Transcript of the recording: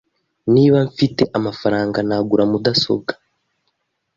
Niba mfite amafaranga, nagura mudasobwa .